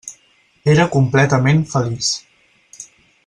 Era completament feliç.